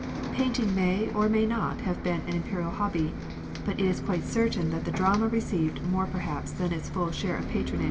Painting may or may not have been an Imperial hobby; but it is quite certain that the drama received more perhaps than its full share of patronage.